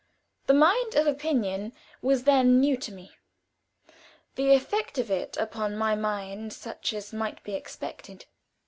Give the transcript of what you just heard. The kind of opinion was then new to me; the effect of it upon my mind such as might be expected.